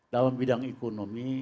dalam bidang ekonomi